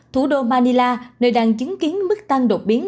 thủ đô manila nơi đang chứng kiến mức tăng đột biến